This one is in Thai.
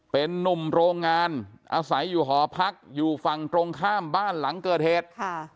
เป็นนุ่มโรงงานอาศัยอยู่หอพักอยู่ฝั่งตรงข้ามบ้านหลังเกิดเหตุ